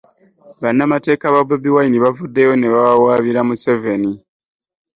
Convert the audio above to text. Bannamateeka ba Bobi Wine bavuddeyo ne bawawaabira Museveni.